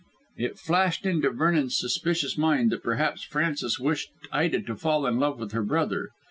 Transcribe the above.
It flashed into Vernon's suspicious mind that perhaps Frances wished Ida to fall in love with her brother.